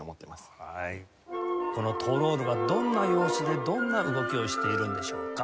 このトロールはどんな容姿でどんな動きをしているんでしょうか？